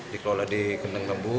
dikelola di kendeng nebu